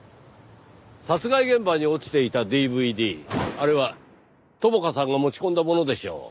殺害現場に落ちていたＤＶＤあれは朋香さんが持ち込んだものでしょう。